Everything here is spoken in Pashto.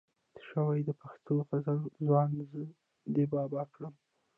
ته شوې د پښتو غزله ځوان زه دې بابا کړم